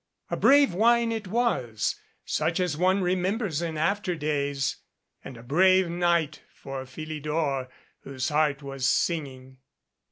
A brave wine it was, such as one remembers in after days, and a brave night for Philidor whose heart was singing.